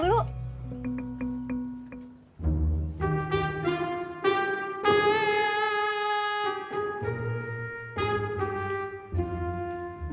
maaf ya mas pur